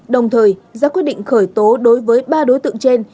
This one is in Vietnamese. đồng thời ra quyết định khởi tố đối với ba đối tượng trên